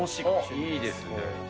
いいですね。